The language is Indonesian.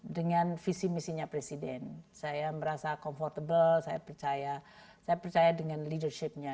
dengan misi misinya presiden saya merasa bebas saya percaya dengan pemimpinannya